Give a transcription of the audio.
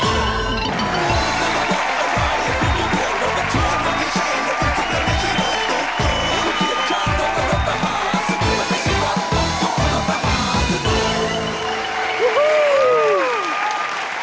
ยูฮู้